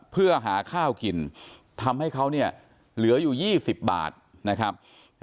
เพื่อหาข้าวกินทำให้เขาเนี่ยเหลืออยู่๒๐บาทนะครับ